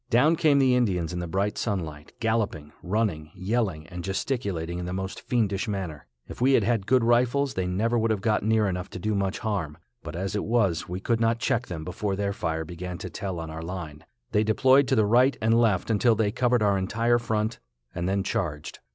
Down came the Indians in the bright sunlight, galloping, running, yelling, and gesticulating in the most fiendish manner. If we had had good rifles they never would have got near enough to do much harm, but as it was we could not check them before their fire began to tell on our line. They deployed to the right and left until they covered our entire front, and then charged.